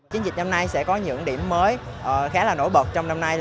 chiến dịch năm nay sẽ có những điểm mới khá là nổi bật trong năm nay